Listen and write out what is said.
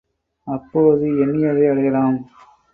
அப்போது எண்ணியதை அடையலாம்.